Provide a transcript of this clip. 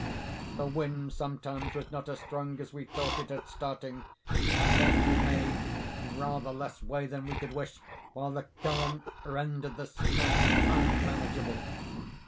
The wind sometimes was not as strong as we thought it at starting, and then we made rather less way than we could wish, while the current rendered the smack unmanageable.